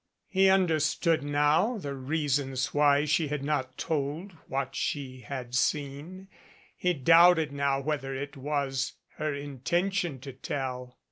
He understood now the reasons why she had not told what she had seen. He doubted now whether it was her intention to tell.